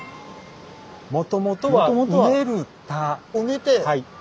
もともとは「埋める田」。